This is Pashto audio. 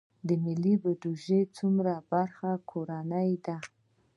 د ملي بودیجې څومره برخه کورنۍ ده؟